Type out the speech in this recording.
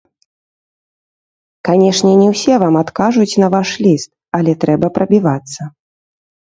Канешне, не ўсе вам адкажуць на ваш ліст, але трэба прабівацца.